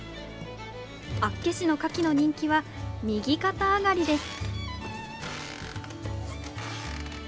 厚岸のカキの人気は右肩上がりです。